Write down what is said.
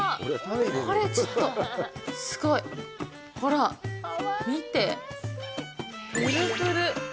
これ、ちょっと、すごい！ほら、見て！